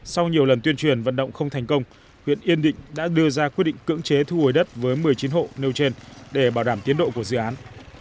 sau nhiều lần tuyên truyền vận động không thành công huyện yên định đã đưa ra quyết định cưỡng chế thu hồi đất với một mươi chín hộ nêu trên để bảo đảm tiến độ của dự án